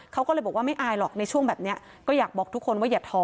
เขาก็เลยบอกว่าไม่อายหรอกในช่วงแบบนี้ก็อยากบอกทุกคนว่าอย่าท้อ